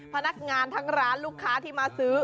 พนักงานทั้งร้านลูกค้าที่มาซื้อ